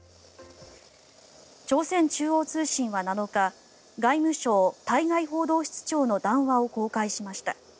朝鮮中央通信は７日外務省対外報道室長の談話を公開しました。